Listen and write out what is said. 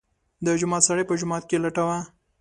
د جومات سړی په جومات کې لټوه.